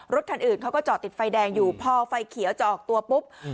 รถคันอื่นเขาก็จอดติดไฟแดงอยู่พอไฟเขียวจะออกตัวปุ๊บ